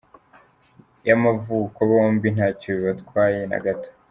yamavuko bombi ntacyo bibatwaye na gato.